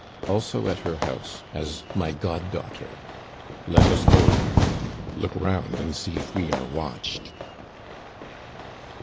"Also at her house, as my god daughter." "Let us go there." "Look round and see if we are watched."